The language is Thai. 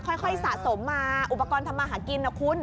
สะสมมาอุปกรณ์ทำมาหากินนะคุณ